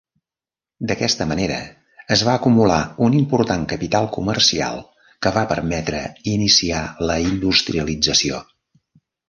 D'aquesta manera es va acumular un important capital comercial que va permetre iniciar la industrialització.